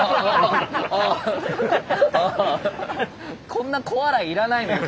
こんな小笑いいらないのよ